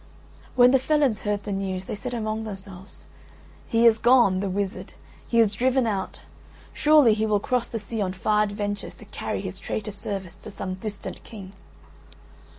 When the felons heard the news they said among themselves, "He is gone, the wizard; he is driven out. Surely he will cross the sea on far adventures to carry his traitor service to some distant King."